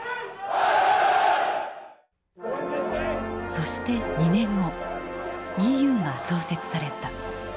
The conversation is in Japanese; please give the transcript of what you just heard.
そして２年後ＥＵが創設された。